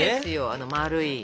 あの丸い。